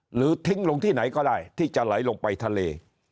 หรือทิ้งลงที่ไหนก็ได้ที่จะไหลลงไปทะเล